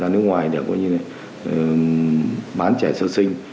nước ngoài để có như bán trẻ sơ sinh